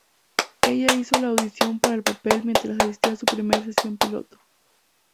Ella hizo la audición para el papel mientras asistía a su primera sesión piloto.